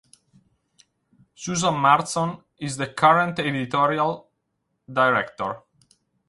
Susan Marston is the current editorial director.